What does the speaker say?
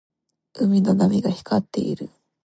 海の波が光っている。